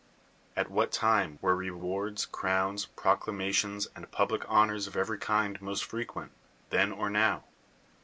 At what time were re wards, crowns, proclamations, and public hon ors of every kind most frequent — then or now?